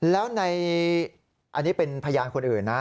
แล้วในอันนี้เป็นพยานคนอื่นนะ